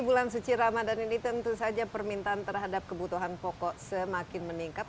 bulan suci ramadan ini tentu saja permintaan terhadap kebutuhan pokok semakin meningkat